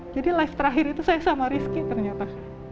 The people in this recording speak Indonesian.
jadi live terakhir itu saya sama rizky ternyata